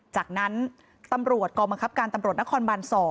จากนั้นตำรวจกองบังคับการตำรวจนครบาน๒